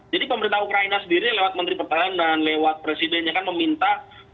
jadi pemerintah ukraina sendiri lewat menteri pertahanan lewat presidennya kan meminta